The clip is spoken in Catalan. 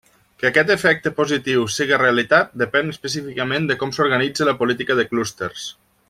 Que aquest efecte positiu siga realitat, depén específicament de com s'organitza la política de clústers.